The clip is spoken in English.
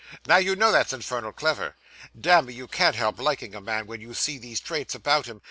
Now you know that's infernal clever! Damme, you can't help liking a man, when you see these traits about him.